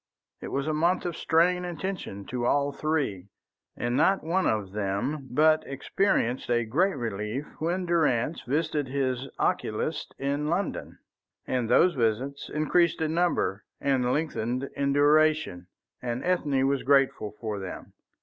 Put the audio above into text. It was a month of strain and tension to all three, and not one of them but experienced a great relief when Durrance visited his oculist in London. And those visits increased in number, and lengthened in duration. Even Ethne was grateful for them.